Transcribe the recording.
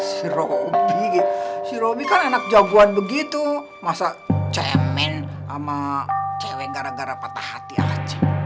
si robi si robi kan enak jagoan begitu masa cemen sama cewek gara gara patah hati aja